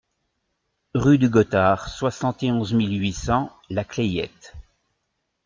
Rue du Gothard, soixante et onze mille huit cents La Clayette